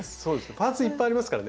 パーツいっぱいありますからね。